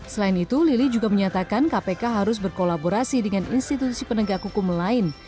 selain itu lili juga menyatakan kpk harus berkolaborasi dengan institusi penegak hukum lain